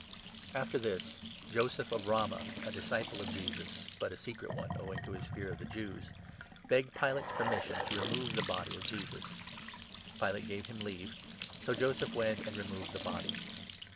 After this, Joseph of Ramah, a disciple of Jesus — 38 The Burial but a secret one, owing to his fear of the Jews — of Jesus. begged Pilate's permission to remove the body of Jesus. Pilate gave him leave ; so Joseph went and removed the body.